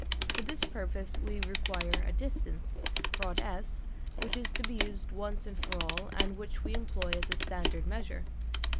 For this purpose we require a " distance " (rod S) which is to be used once and for all, and which we employ as a standard measure.